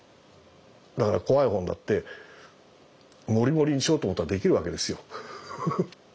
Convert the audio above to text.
だから怖い本だって盛り盛りにしようと思ったらできるわけですよ。